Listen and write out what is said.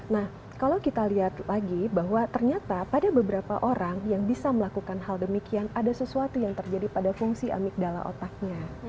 nah kalau kita lihat lagi bahwa ternyata pada beberapa orang yang bisa melakukan hal demikian ada sesuatu yang terjadi pada fungsi amigdala otaknya